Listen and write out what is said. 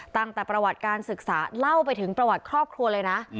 ตั้งแต่ประวัติการศึกษาเล่าไปถึงประวัติครอบครัวเลยนะ